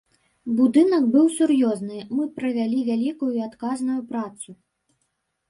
Будынак быў сур'ёзны, мы правялі вялікую і адказную працу.